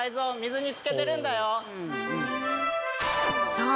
そう！